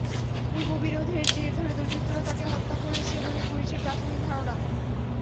পূর্ববিরোধের জের ধরে দুর্বৃত্তরা তাঁকে হত্যা করেছে বলে পুলিশের প্রাথমিক ধারণা।